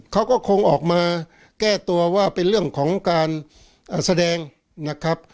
เขาก็คงออกมาแก้ตัวว่าเป็นเรื่องของการแสดงนะครับ